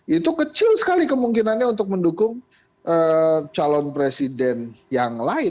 itu kecil sekali kemungkinannya untuk mendukung calon presiden yang lain